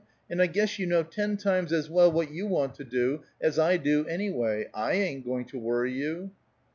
And I guess you know ten times as well what you want to do, as I do, anyway. I ain't going to worry you."